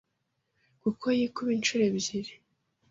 kuko yikuba inshuro ebyiri